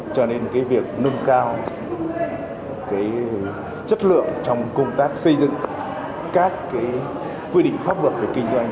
cho nên việc nâng cao chất lượng trong công tác xây dựng các quy định pháp luật về kinh doanh